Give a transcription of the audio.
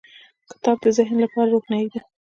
• کتاب د ذهن لپاره روښنایي ده.